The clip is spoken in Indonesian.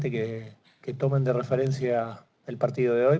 penting untuk mereka mengingat pertempuran hari ini